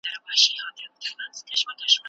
په غونډه کي د پښتو پرمختګ په اړه خبري وسوې.